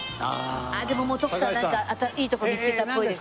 でももう徳さんなんかいいとこ見つけたっぽいです。